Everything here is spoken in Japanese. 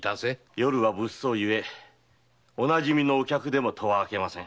夜は物騒ゆえお馴染みのお客でも戸は開けません。